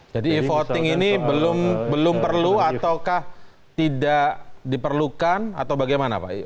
jadi voting ini belum perlu ataukah tidak diperlukan atau bagaimana pak